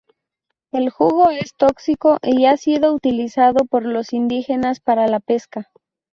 El jugo es tóxico y ha sido utilizado por los indígenas para la pesca.